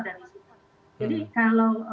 dari situ jadi kalau